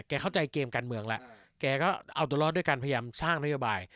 เข้าใจเกมการเมืองแล้วแกก็เอาตัวรอดด้วยการพยายามสร้างนโยบาย